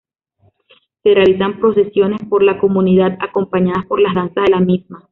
Se realizan procesiones por la comunidad acompañadas por las danzas de la misma.